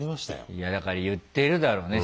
いやだから言ってるだろうね